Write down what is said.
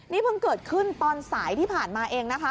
นี่เพิ่งเกิดขึ้นตอนสายที่ผ่านมาเองนะคะ